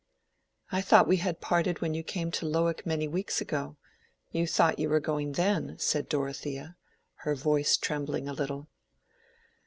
"I thought we had parted when you came to Lowick many weeks ago—you thought you were going then," said Dorothea, her voice trembling a little.